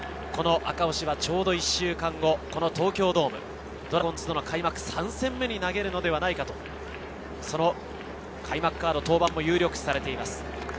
赤星はちょうど１週間後、この東京ドーム、ドラゴンズとの開幕３戦目に投げるのではないか、その開幕カード登板も有力視されています。